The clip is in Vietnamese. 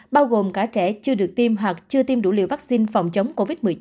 bao gồm cả trẻ chưa được tiêm hoặc chưa tiêm đủ liều vaccine phòng chống covid một mươi chín